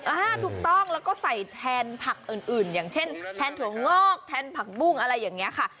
อ่าถูกต้องแล้วก็ใส่แทนผักอื่นอย่างเช่นแทนถั่วงอกแทนผักบุ้งอะไรอย่างนี้ค่ะ